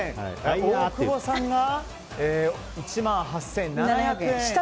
大久保さんが１万８７００円。